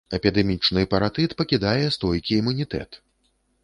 Эпідэмічны паратыт пакідае стойкі імунітэт.